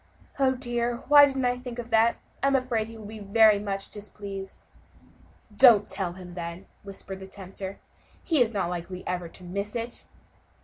Oh! dear, why didn't I think of that? I am afraid he will be very much displeased." "Don't tell him, then," whispered the tempter, "he is not likely ever to miss it."